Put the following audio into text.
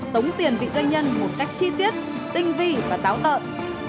tống tiền dịch doanh nhân một cách chi tiết tinh vi và táo tợn